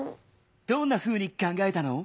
どんなふうにかんがえたの？